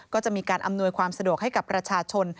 ก็จะมีการอำนวยความสะดวกให้กับประชาชน